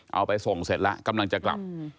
เอาไปส่งเสร็จแล้วกำลังจะกลับ